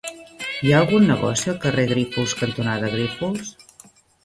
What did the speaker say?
Hi ha algun negoci al carrer Grífols cantonada Grífols?